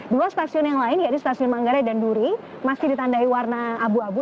dua stasiun yang lain yaitu stasiun manggarai dan duri masih ditandai warna abu abu